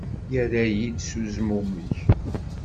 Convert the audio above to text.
Yerra-iyi-d s uzmummeg.